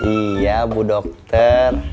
iya bu dokter